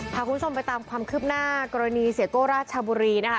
พาคุณผู้ชมไปตามความคืบหน้ากรณีเสียโก้ราชบุรีนะคะ